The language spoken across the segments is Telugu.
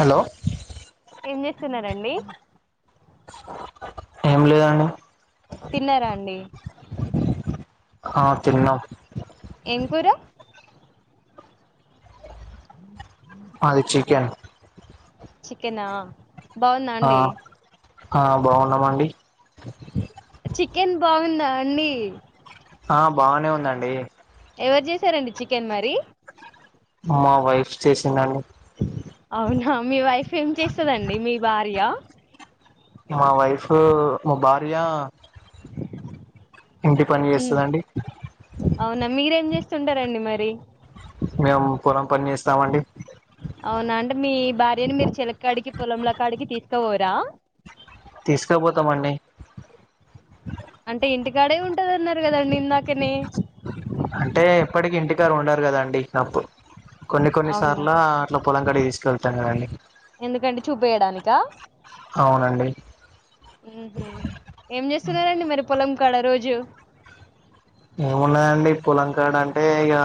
హలో. ఏం చేస్తున్నారండి. ఏం లేదండి. తిన్నారా అండి. ఆహ్ తిన్నాం. ఏం కూర అ ఆహ్ అది చికెన్. చికెనా బాగుందా అండి. ఆహ్ బాగున్నామండి. చికెన్ బాగుందా అండి ఆ బాగానే ఉందండి ఎవరు చేశారండి చికెన్ మరి మా వైఫ్ చేసందాన్ని అవునా మీ వైఫ్ ఏం చేస్తదండి మీ భార్య మా వైఫ్ మా భార్య ఇంటి పని చేస్తదండి అవునా మీరేం ఏం చేస్తారండి స్తుండారండి మరి మేము పొలం పని ఇస్తామండి అవునా అంటే మీ భార్యని మీరు చిలకాడికి పొలముల కాడికి తీసుకోవరా తీసుకపోతామండి అంటే ఇంటికాడే ఉంటదిన్నారు కదండి ఇందాకని అంటే ఎప్పటికి ఇంటికాడా ఉండరు కదాండి ఇనప్పుడు కొన్ని అవునా కొన్నిసార్లు అట్లా పొలం కడి తీసుకెళ్తానుదండి ఎందుకంటే చూపేయడానిక అవునండి ఏం చేస్తున్నారంండి మరి పొలం కడ రోజు ఏమున్నాయండి పులంకాడ అంటే ఇక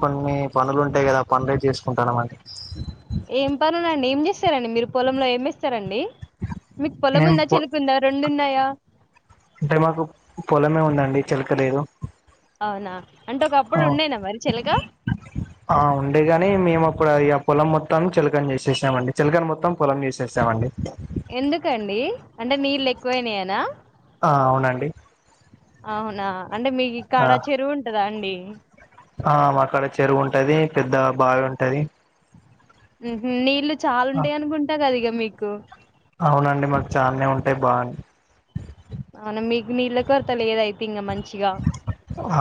కొన్ని పనులు ఉంటాయి కదా పనులే చేసుకుంటాను అండి డి ఏం చేస్తారండి మీరు పొలంలో ఏమి ఇస్తారండి మీకు పొలం ఉందా మేము చెనుకుందా రెండు ఉన్నాయా అంటే మాకు పొలమే ఉందండి చిలక లేదు అవునా అంటే ఒకప్పుడు ఉండేనా మరి చెలక ఆ ఉండేగాని మేము ఇప్పుడు ఇక పొలం మొత్తం చిలకం చేసేసామండి చిలకం మొత్తం పొలం చేసామండి ఎందుకండి అంటే నీళ్లు ఎక్కువయినాయనా ఆ అవునండి అవునా అంటే మీకు ఆ కాడా చెరువు ఉంటదా అండి ఆ అక్కడ చెరువు ఉంటది పెద్ద బావి ఉంటది నీళ్ళలు చాలా ఆ, ఉంటాయ అనుకుంటా కదా ఇగా మీకు అవునండి మాకు చానే ఉంటాయి బాగుంది అవున మీకు నీళ్ళ కొరత లేదయితే ఇంకా మంచిగా ఆ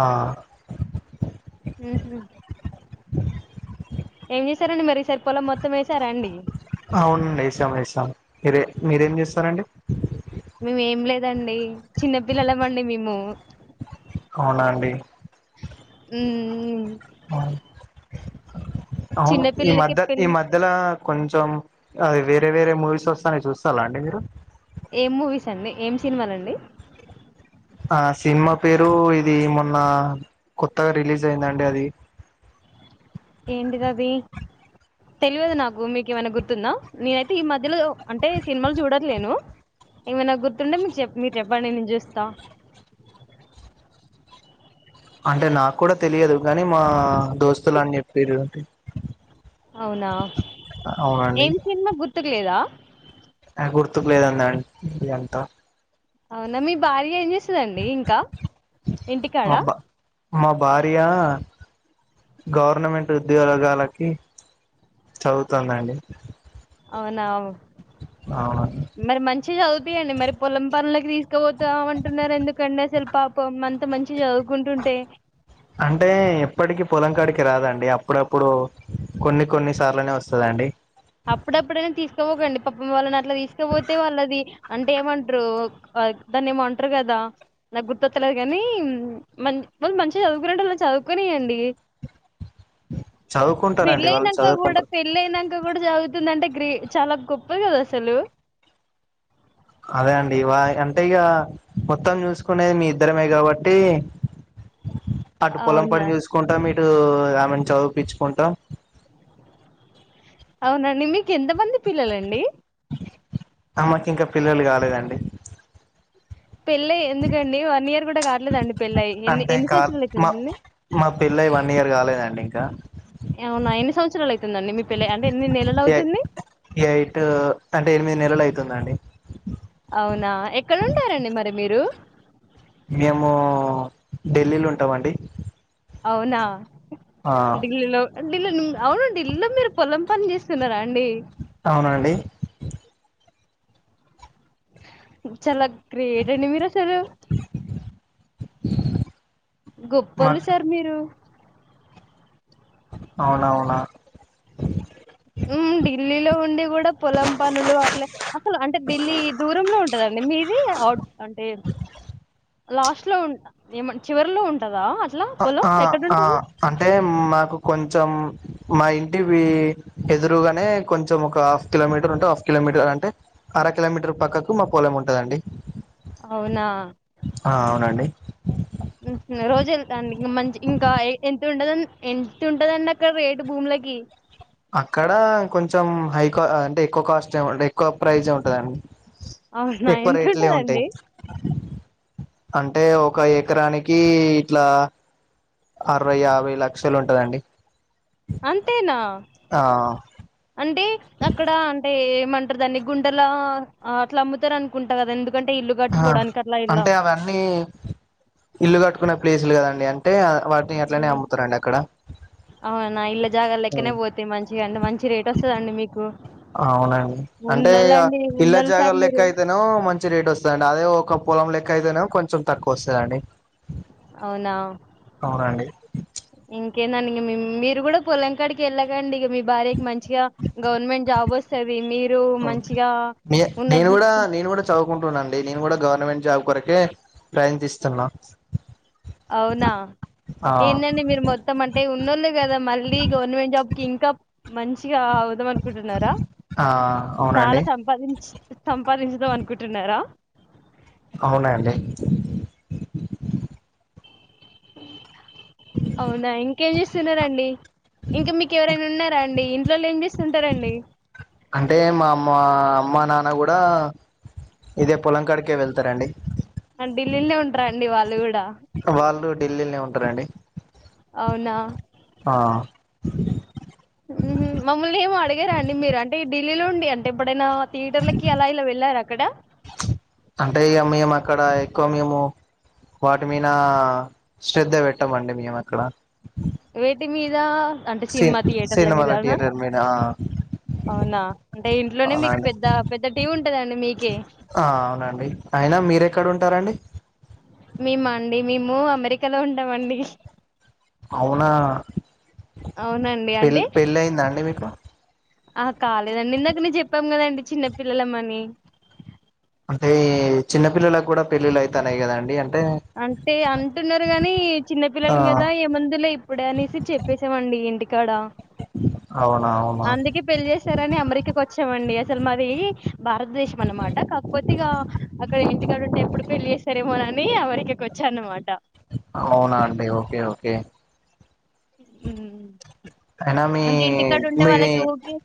ఉ [unintelligible] [unintelligible] ఏం చేశారని మరీ సరిపోలం మొత్తం వే అవునండి వేసాం వేసాం మీరే మీరేం చేస్తారండి మేము ఏం లేదండి చిన్నపిల్లలు ఇమండి మేము అవునాండి ఉ అవును అవును ఈ మధ్య ఈ మధ్యలో కొంచెం అ వేరే వేరే మూవీస్ వస్తాయి చూస్తాలా అండి మీరు ఏం మూవీస్ అండి ఏం సినిమాలండి ఆ సినిమా పేరు ఇది మొన్న కొత్తగా రిలీజ్ అయిందండి అది [unintelligible] ఏంటి అది తెలియదు నాకు మీకు ఏమైనా గుర్తుందా నేనైతే ఈ మధ్యలో అంటే సినిమాలు చూడను నేను ఏమైనా గుర్తుంటే మీరు చెప్పండి నేను చూస్తా అంటే నాకు కూడా తెలియదు కాని మా దోస్తులు అని చెప్పారు అ అవునా ఏం సినిమా గుతుకులేదా ఆ గుర్తుకు లేదన్న ఎంత అవునా మీ భార్య ఏం జెస్ మా బ మా భార్య గవర్నమెంట్ ఉద్యోగాలకి చదువుతందండి అవునావు అవు మరి మంచి చదువుపియండి మరి పొలం పనులకి తీసుకుపోతాం అంటున్నారు ఎందుకండి పాపం మంత మంచి అంటే ఎప్పటికి పొలం కాడికి రాదండి అప్పుడప్పుడు కొన్ని కొన్ని సార్లునే వస్తుదండి అప్పుడప్పుడైనా తీసుకోపోకండి పాప వాళ్ళని అట్లా తీసుకపోతే వాళ్ళది అంటే ఏమంట్రూ దాన్ని ఏమో అంట్రు గదా నాకు గుర్తొత్త లేదు కానీ మన్ వాళ్ళు మంచిగా చదువుకునేటోళ్ళని చదువుకునియండి చదువుకుంటారండి వాళ్ళు పెళ్ళయినాంక గుడా చదువుకుంటారు పెళ్ళయినంక జాగుతుందంటే గ్రే చాలా గొప్పది కదా అసలు అదే అండి ఇవా అంటే ఇగ మొత్తం చూసుకునేది మీ ఇద్దరమే కాబట్టి [inaudible] అటు పొలం అవునా? పని చూసుకుంటా మీటు ఏమైనా చదిపించుకుంటా అవునండి మీకు ఎంత మంది పిల్లలండి అమెకి ఇంకా పిల్లలు కాలేదండి పెళ్ళ ఎందుకండి వన్ ఇయర్ కూడా కట్లేదండి పెళ్ళయి ఎన్ని అంటే ఎన్ని కా సంవత్సరాలు నీ మా పెళ్ళై మా పెళ్లై వన్ ఇయర్ కాలేదండి ఇంకా అవునా ఎన్ని సంవత్సరాలు అవుతుందండి మీ పెళ్లై అంటే ఎన్ని నెలలు అవుతుంది ఎయిట్ అంటే ఎనిమిది నెలలు అయితుందండి అవునా? ఎక్కడుంటారండి మరి మీరు? మేము ఢిల్లీలో ఉంటాం అండి అవునా ఢిల్లులో డిల్ అవును ఢిల్లో మీరు పొలం పని చేస్తున్నారా అవునండి చాలా గ్రేట్ అండి మీరు అసలు [inaudible] గొప్పోల్లు మాకు సార్ మీరు అవునవునా ఉ ఢిల్లీలో ఉండి కూడా పొలం పనులు అట్లా అసలు అంటే ఢిల్లీ దూరంలో ఉంటదండి మీది అవుట్ అంటే లాస్ట్ లో ఉ ఏమ చివరిలో ఉంటదా అట్లా పొలం? ఆ ఆ ఎక్కడుంటది? అంటే మాకు కొంచెం మా ఇంటివి ఎదురుగానే కొంచెం ఒక హాఫ్ కిలోమీటర్ ఉంటే హాఫ్ కిలోమీటర్ అంటే అర కిలోమీటర్ పక్కకు మా పొలం ఉంటదండి అవునా ఆ అవునండి రోజ్ మండి ఇం మంచి ఇంకా ఎంత ఉంటద ఎంత ఉంటదండి అక్కడ రేటు భూములకి అక్కడ కొంచెం హై కా అంటే ఎక్కువ కాస్ట్ ఏంట ఎక్కువ ప్రైజే ఉంటదండి అవునా? ఎక్కువ రేట్లే ఉంటయి ఎంతుంటదండి? అంటే ఒక ఎకరానికి ఇట్లా అరవై యాభై లక్షలు ఉంటదండి అంతేనా ఆ అంటే అక్కడ అంటే ఏమంటరు దాన్ని గుంటల అట్లా అమ్ముతారు అనుకుంటా గదా ఎందుకు ఆ అంటే అవన్నీ ఇల్లు కట్టుకునే ప్లేసులు కదండి అంటే నీ అట్లనే ఉమ్, అమ్ముతరండి అక్కడ అవునా ఇళ్ళ జాగా లెక్కనే పోతాయి మంచిగా అంటే మంచి రేట్ వస్తుదండి మీకు అవునండి అంటే ఇగ ఉన్నోళ్ళండి ఇళ్ల ఉన్నోళ్ళు జాగాల సార్ లెక్క మీరు అయితేనో మంచి రేట్ వస్తుందండి అదే ఒక పొలం లెక్క క్క ఐతేనో కొంచెం తక్కువ వస్తదండి అవునా అవునండి ఇన్ ఎందండి మేమ్ మీరు కూడా పొలంకాడికి వెళ్ళగండి మీ భార్యకి మంచిగా గవర్నమెంట్ జాబ్ వస్తది మీరు మంచిగా నేను ఉన్నది కూడా చూసుకు నేను కూడా చ కుంటునండి నేను కూడా గవర్నమెంట్ జాబ్ కొరకే ప్రయత్నిస్తున్నా అవునా ఆ ఏందండి మీరు మొత్తం అంటే ఉన్నోళ్లే కదా మళ్ళీ గవర్నమెంట్ జాబ్ కి ఇంకా మంచి ఇగా అవుదాం అనుకుంటున్నారా ఆ చాలా అవునండి సంపాదించ్ సంపాదించుదాం అనుకుంటున్నారా అవునా అండీ అవునా ఇంకేం చేస్తున్నారండి ఇంకా మీకు ఎవరైనా ఉన్నారా అండి ఇంట్లోల్ ఏం చేస్తుంటారండి అంటే మా అమ్మ అమ్మ నాన్న కూడా ఇదే పొలంకాడకే వెళ్తారండి అ ఢిల్లీల్నే ఉంటరండి వాళ్ళు కూడా వాళ్ళు ఢిల్లీల్నే ఉంటారండి అవునా ఆ ఊ మమ్ముల్ని ఏం అడిగారండి మీరు అంటే డీ ఢిల్లీ లో ఉండి అంటే ఎప్పుడైనా థియేటర్లకి అలా ఇలా వెళ్లార అక్కడ అంటే ఇక మేము అక్కడ ఎక్కువ మేము వాటి మీద శ్రద్ధ పెట్టమండి మేము అక్కడ వేటి మీద అంటే సి సినిమా థియేటర్ల సినిమాల మీదనా థియేటర్ మీద ఆ అవునా అంటే ఇంట్లోనే మీకు అవునండి పెద్ద పెద్ద టీవి ఉంటదండి మీకె ఆ అవునండి అయినా మీరెక్కడ ఉంటారండి మేము అండి మేము అమెరికాలో ఉంటామండి అవునా అవునండి పె అంటే పెళ్ళి అయిందా అండి మీకు ఆ కాలేదండి ఇందాక నే చెప్పాం కదండి చిన్నపిల్లలమ్మని అంటే చిన్న పిల్లలకి కూడా పెళ్ళిళ్ళ అయితన్నయ్ కదండి అ అంటే అంటున్నారు కాని చిన్న ఆ పిల్లలు కదా ఏ మందులే ఇప్పుడే అనేసి చెప్పేసామండి ఇంటి అవునవును అందుకే పెళ్ళి చేసారని అమెరికాకి వచ్చామండి అసలు మది భారతదేశం అన్నమాట కాకపోతే ఇగ అక్కడ ఇంటికాడ ఉంటే ఎప్పుడు పెళ్లి ఏస్తారేమో అని అని అమెరికకు వచ్చా అన్నమాట అవునా అండి ఓకే ఓకే అయినా మీ అంటే ఇంటికాడ ఉంటే మీ వాళ్ళకి ఊకె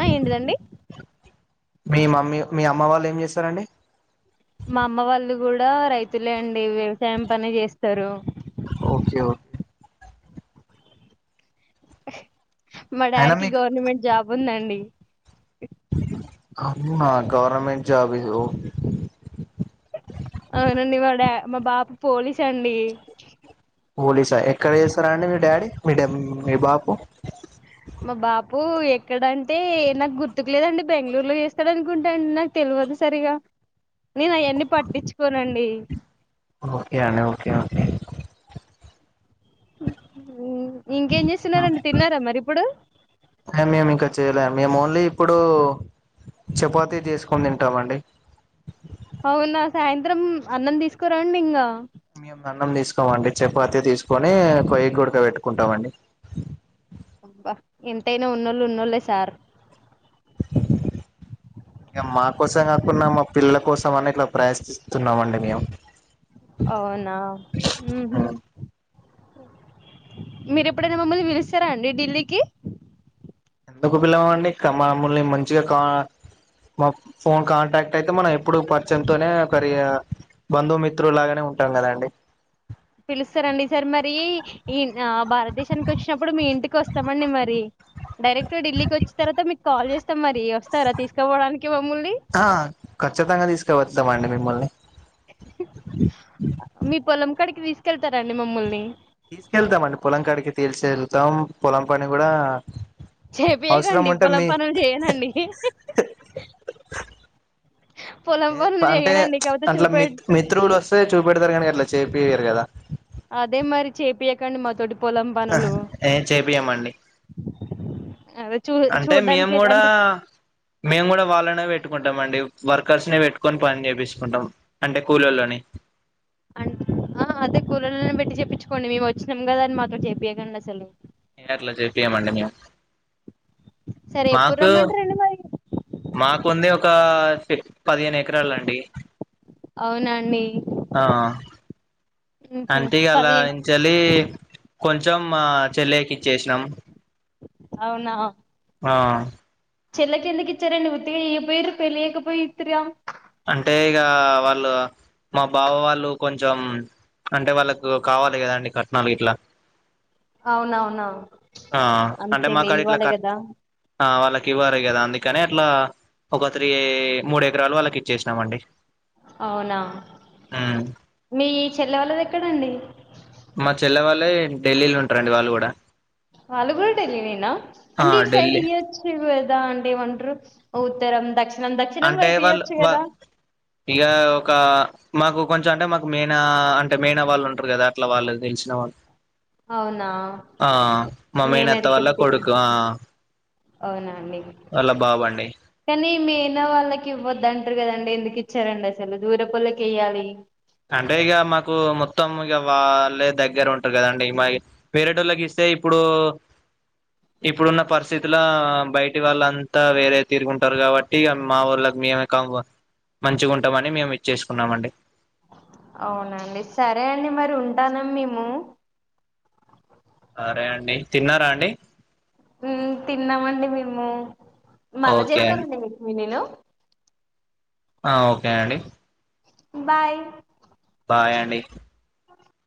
ఆ ఏంటిదండి మీ మమ్మీ మీ అమ్మ వాళ్ళు ఏం చేస్తారండి మా అమ్మ వాళ్ళు కూడా రైతులే అండి అ వ్యవసాయం పనే చేస్తారు ఓకే ఓకే మా అయినా డాడీకి మీకు గవర్నమెంట్ జాబ్ ఉందండి అమ్మ గవర్నమెంట్ జాబ్ ఇ ఓ అవునండి మా డ మా బాపు పోలీస్ అండి పోలీసా ఎక్కడ చేస్తారా అండి మీ డాడీ మీ డ మీ బాపు మా బాపు ఎక్కడంటే నాకు గుర్తుకు లేదండి బెంగళూరులో చేస్తాడు అనుకుంటాండి నాకు తెలు వోదు సరిగా నేను అవన్ని పట్టించుకోనండి ఓకే అండి ఓకే ఓకే ఇంకేం చేస్తున్నారండి తిన్నారా మరి ఇప్పుడు మేము ఇంకా చేయలే మేము ఓన్లీ ఇప్పుడు చపాతీ చేసుకొని తింటామండి అవునా సాయంత్రం అన్నం తీసుకోరండి ఇంకా మేము అన్నం తీసుకోమ అండి చపాతి తీసుకొని కొయ్య గుడక పెట్టుకుంటామండి అబ్బా ఎంతైనా ఉన్నోళ్ళు ఉన్నోళ్లే సార్ ఇంక మా కోసం కాకుండా మా పిల్లల కోసం అనే ఇట్లా ప్రయత్నిస్తున్నామ అండి మేము అవునా ఉహా మీరు ఎప్పుడైనా మమ్మల్ని పిలుస్తారా అండి ఢిల్లీకి ఎందుకు పిల్లవా అండి కా మమ్మల్ని మంచిగా కా మా ఫోన్ కాంటాక్ట్ అయితే మనం ఎప్పుడు పరిచంతోనే ఒకరి బంధుమిత్రులాగానే ఉంటాం కదండి పిలుస్తారండి ఈ సారి మరి ది ఈ ఆ భారతదేశానికి వచ్చినప్పుడు మీ ఇంటికి వస్తామండి మరి డైరెక్ట్ ఢిల్లీకి వచ్చిన తర్వాత మీకు కాల్ చేస్తా మరి వస్తారా తీసుకపోవడానికి మమ్మల్ని ఆ కచ్చితంగా తీసుక వచ్చద్దామండి మిమ్మల్ని మీ పొలం కడికి తీసుకెళ్తారండి మమ్మల్ని తీసుకెళ్తామండి పొలం కాడికి తేల్చేరుగుతాం పొలం పని కూడా అవసరం చేపియకండి ఉంటే పొలం మీ పనులు చేయనండి పొలం ఏ పనులు అంటే చేయనండి కాకపోతే అట్లా మి చూపే మిత్రులు వస్తే చూపెడతారు కనీ అట్లా చేపియరు కదా అదే మరి చేపియకండి మాతోటి పొలం పనులు ఏ చేపియ్యమండి అదే చూ అంటే మేము చూడ్డానికి కూడా అంటే మేము కూడా వాళ్ళనే పెట్ పెట్టుకుంటామండి వర్కర్స్ ని పెట్టుకొని పని చేపిసుకుంటాం అంటే కూలీల్లోని అంట అదే కూలలోని పెట్టి చెప్పించుకోండి మేము వచ్చినాం కదా అని మా తోటి చెప్పయకండి అసలు ఏ అట్ల జేపీయమండి మేము సరే ఎప్పుడు మాకు రమ్మంటారండి మరి మాకు ఉంది ఒక పదిహేను ఎకరాలండి అవునండి ఆ ఉహు అంటే పది అల్లనించేలి కొంచం కొంచెం చెల్లెకి ఇచ్చేసినాం ఆ చెల్లెకి ఎందుకు ఇచ్చారండి ఉత్తిగా ఇయపోయారు పెళ్ళియకపోయి ఇత్గా అంటే ఇక వాళ్ళు మా బావ వాళ్ళు కొంచెం అంటే వాళ్ళకు కావాలి కదా అండి కట్నాలు ఇట్లా అవునవునా నా ఆ అంటే మా కాడ ఇట్లా క ఆ వాళ్ళకి ఇవ్వరు కదా అందుకని అట్లా ఒక త్రీ మూడు ఎకరాలు వాళ్ళకి ఇచ్చేసినమండీ అవునా మీ చెల్లె వాళ్ళది ఎక్కడండి మా చెల్లె వాళ్ళే ఢిల్లీ లో ఉంటారండి వాళ్ళు కూడా వాళ్లు కూడా ఢిల్లీ నేనా ఆ అంటే ఎటు సైడ్ ఢిల్లీ ఇయ్యొచ్చుగా అండే వండ ఉత్తరం దక్షిణ అంటే వాళ్ళు వా ఇక ఒక మాకు కొంచెం అంటే మాకు మేనా అంటే మేయినా వాళ్ళు ఉంటారు కదా అట్లా వాళ్ళు తెలిసిన వాళ్ళు అవునా ఆ మా మేనత్త వాళ్ళ కొడుకు ఆ అవునాండి వాళ్ళ బాబు అండి కానీ మే న్న వాళ్ళకి ఇవ్వద్దు అంటారు కదండి ఎందుకు ఇచ్చారండి అసలు దూరపోల్లకి ఇయ్యాలి అంటే ఇక మాకు మొత్తం ఇక వాళ్ళే దగ్గర ఉంటారు కదండి మా వేరేటోళ్ళకి ఇస్తే టే ఇప్పుడు ఇప్పుడున్న పరిస్థితుల బయటి వాళ్ళంతా వేరే తిరుకుంటారు కాబట్టి మా ఊళ్ళ మేము మంచిగా ఉంటామని మేము ఇచ్చేసుకున్నామ అండి అవునండి సరే అండి మరి ఉంటానం మేము అరే అండి తిన్నారా అండి తిన్నామండి మేము మళ్ళా ఓకే అండి చేస్తానండికు నేను ఆ ఓకే అండి బాయ్ బాయ్ అండి